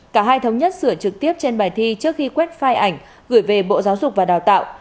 cả hai thống nhất sửa trực tiếp trên bài thi trước khi quét ảnh gửi về bộ giáo dục và đào tạo